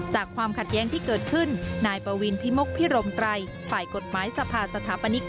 จากความขัดแยงที่เกิดขึ้นพไปกดหมายสภาสถาปนิก